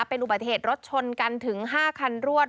เป็นอุบัติเหตุรถชนกันถึง๕คันรวด